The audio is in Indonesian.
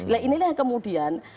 nah ini yang kemudian